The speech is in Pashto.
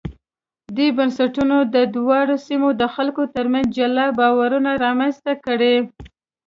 دې بنسټونو د دواړو سیمو د خلکو ترمنځ جلا باورونه رامنځته کړي.